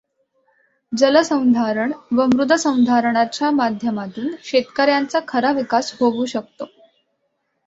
जलसंधारण व मृदसंधारणाच्या माध्यमातून शेतकऱ्यांचा खरा विकास होवू शकतो.